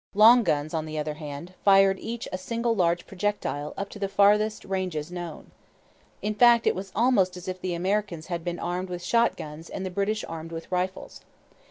Long guns, on the other hand, fired each a single large projectile up to the farthest ranges known. In fact, it was almost as if the Americans had been armed with shot guns and the British armed with rifles.